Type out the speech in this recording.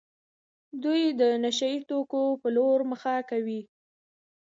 دوی د نشه يي توکو په لور مخه کوي.